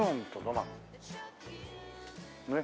ねっ。